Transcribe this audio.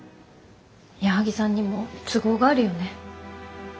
矢作さんにも都合があるよね。